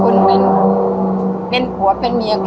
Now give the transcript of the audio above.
คุณเป็นผัวเป็นเมีย